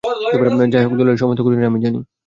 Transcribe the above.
যাই হোক, দলীলের সমস্ত খুঁটিনাটি আমি জানি।